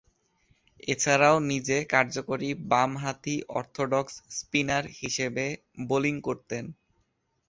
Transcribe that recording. এছাড়াও নিজে কার্যকরী বামহাতি অর্থোডক্স স্পিনার হিসেবে বোলিং করতেন।